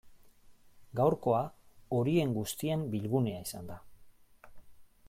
Gaurkoa horien guztien bilgunea izan da.